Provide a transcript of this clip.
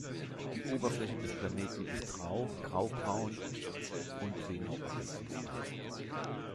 Die Oberfläche des Planeten ist rau, graubraun und wenig abwechslungsreich.